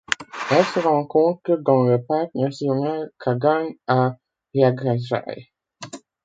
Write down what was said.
Elle se rencontre dans le parc national Caguanes à Yaguajay.